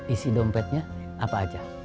isi dompetnya apa aja